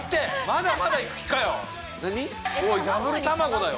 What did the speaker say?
まだまだいく気かよ。